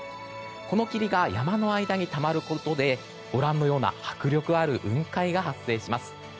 この霧が山の間にたまることで迫力ある雲海が発生します。